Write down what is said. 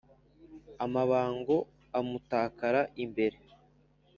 amabango amutakara imbere